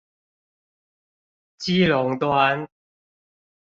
基隆端